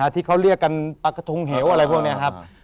ที่เขาเรียกกันปลากระทงเหวอะไรพวกนี้ครับ